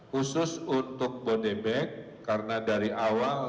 khusus untuk bodebek karena dari awal